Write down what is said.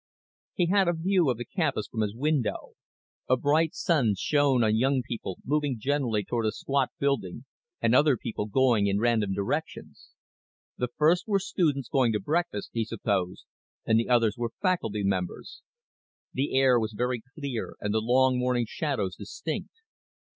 He had a view of the campus from his window. A bright sun shone on young people moving generally toward a squat building, and other people going in random directions. The first were students going to breakfast, he supposed, and the others were faculty members. The air was very clear and the long morning shadows distinct.